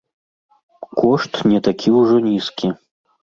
Кошт не такі ўжо нізкі.